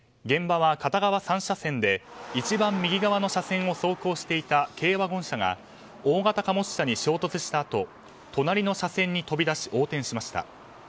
現場は片側３車線で一番右側の車線を走行していた軽ワゴン車が大型貨物車に衝突したあと隣の車線に飛び出し横転しました。